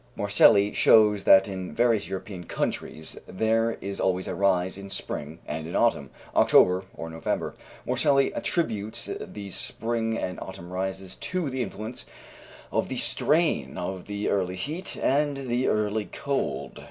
Morselli shows that in various European countries there is always a rise in spring and in autumn (October or November). Morselli attributes these spring and autumn rises to the influence of the strain of the early heat and the early cold.